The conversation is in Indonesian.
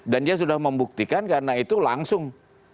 dan dia sudah membuktikan karena itu langsung